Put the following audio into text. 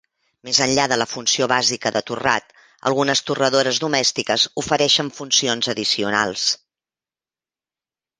Més enllà de la funció bàsica de torrat, algunes torradores domèstiques ofereixen funcions addicionals.